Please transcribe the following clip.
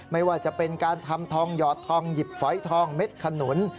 ไม่ว่าจะเป็นการทำทองหยอดทองหยิบฝอยทองเม็ดขนุน